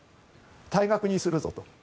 退学にするぞと。